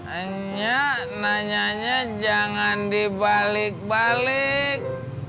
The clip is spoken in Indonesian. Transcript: hanya nanyanya jangan dibalik balik